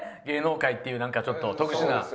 芸能界っていうなんかちょっと特殊な。